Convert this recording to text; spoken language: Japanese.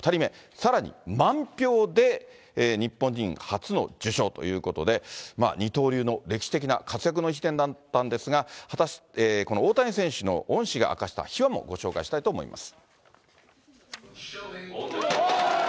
さらに満票で日本人初の受賞ということで、二刀流の歴史的な活躍の一年だったんですが、この大谷選手の恩師が明かした、秘話もご紹介したいと思います。